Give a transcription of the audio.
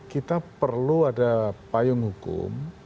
kita perlu ada payung hukum